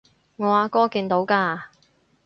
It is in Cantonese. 我阿哥見到㗎